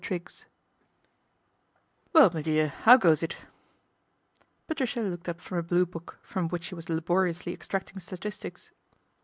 TRIGGS WELL, me dear, how goes it ?" Patricia looked up from a Blue Book, from which she was laboii msly extracting statistics.